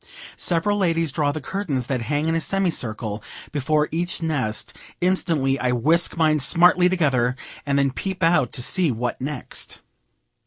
Several ladies draw the curtains that hang in a semi circle before each nest instantly I whisk mine smartly together, and then peep out to see what next.